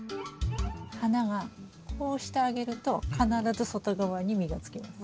花はこうしてあげると必ず外側に実がつきます。